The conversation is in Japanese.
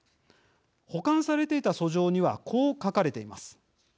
保管されていた訴状にはこう書かれています。